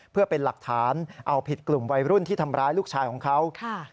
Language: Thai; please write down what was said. เพื่อเป็นหลักฐานเอาผิดกลุ่มวัยรุ่นที่ทำร้ายลูกชายของเขา